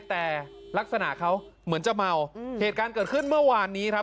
แต่ลักษณะเขาเหมือนจะเมาเหตุการณ์เกิดขึ้นเมื่อวานนี้ครับ